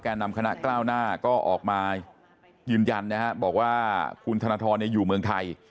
นำคณะก้าวหน้าก็ออกมายืนยันนะฮะบอกว่าคุณธนทรอยู่เมืองไทย